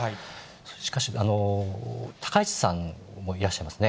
しかし高市さんもいらっしゃいますね。